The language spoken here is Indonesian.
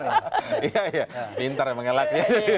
iya iya pintar ya mengelak